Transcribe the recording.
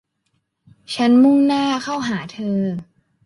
ฉันมุ่งหน้าเข้าหาเธอ